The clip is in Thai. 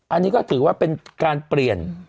อันนี้ก็ถือว่าเป็นการเปลี่ยน